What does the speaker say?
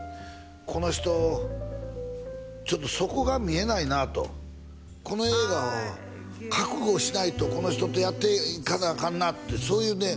この人ちょっと底が見えないなとこの映画覚悟しないとこの人とやっていかなアカンなってそういうね